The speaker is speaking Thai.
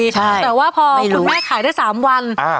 แต่ว่าพอคุณแม่ขายได้๓วัน